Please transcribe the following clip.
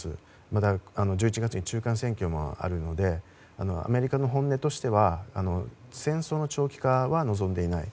また１１月に中間選挙もあるのでアメリカの本音としては戦争の長期化は望んでいない。